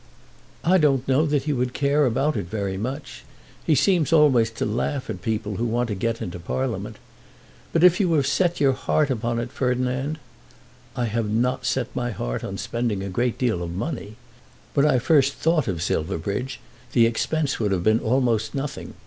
"I don't know that he would care about it very much. He seems always to laugh at people who want to get into Parliament. But if you have set your heart upon it, Ferdinand " "I have not set my heart on spending a great deal of money. When I first thought of Silverbridge the expense would have been almost nothing.